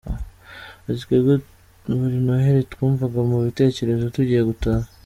Ati "Twebwe buri Noheri twumvaga mu bitekerezo tugiye gutaha.